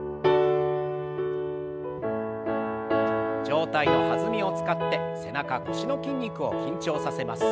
上体の弾みを使って背中腰の筋肉を緊張させます。